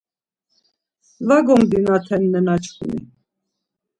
Var gomdinaten nenaçkuni.